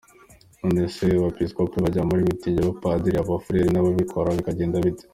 None se abepiskopi bajya muri mitingi abapadiri, abafurere n’ababikira bikagenda bite?